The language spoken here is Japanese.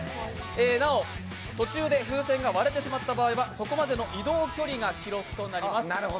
なお、途中で風船が割れてしまった場合はそこまでの移動距離が記録となります。